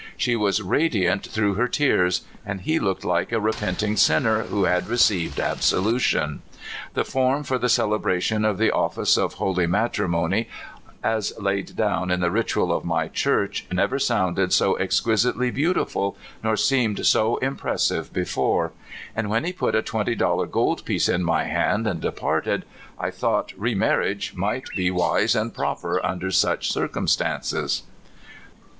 She was radiant through her tears, and he looked like a repenting sinner who had receiyed absolution. 1 he form for the celebration of the office of holy matrimony as laid down in the ritual of my Church never sounded so exquisitely beautiful noV seemed so impressive before; and when he put a twentv dollar gold piece in my hand and departed,^! thought remarriage might be wise and proper un der some circumstances.